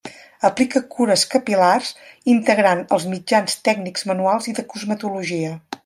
Aplica cures capil·lars integrant els mitjans tècnics, manuals i de cosmetologia.